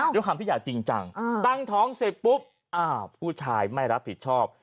ด้วยความที่อยากจริงจังตั้งท้องเสร็จปุ๊บอ้าวผู้ชายไม่รับผิดชอบ